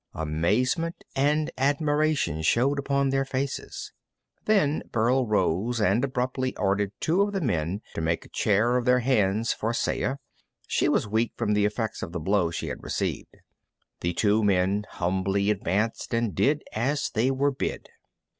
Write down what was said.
Amazement and admiration showed upon their faces. Then Burl rose and abruptly ordered two of the men to make a chair of their hands for Saya. She was weak from the effects of the blow she had received. The two men humbly advanced and did as they were bid.